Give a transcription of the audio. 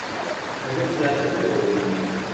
دەبێت زیاتر فێر ببیت.